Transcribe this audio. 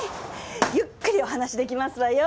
ゆっくりお話できますわよ。